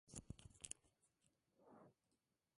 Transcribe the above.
Está situado en zona centro-sur del distrito.